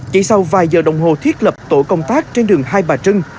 chỉ sau vài giờ đồng hồ thiết lập tổ công tác trên đường hai bà trưng